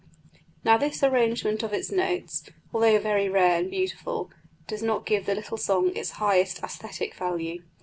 Now, this arrangement of its notes, although very rare and beautiful, does not give the little song its highest æsthetic value.